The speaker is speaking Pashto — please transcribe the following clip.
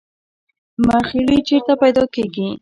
مرخیړي چیرته پیدا کیږي؟